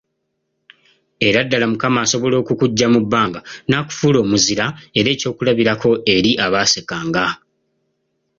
Era ddala Mukama asobola okukuggya mu bbanga n'akufuula omuzira era ekyokulabirako eri abaasekanga.